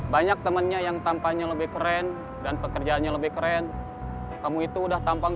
banyak temennya yang tampaknya lebih keren dan pekerjaannya lebih keren kamu itu udah tampang